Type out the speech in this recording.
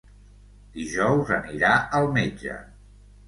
Dijous anirà al metge.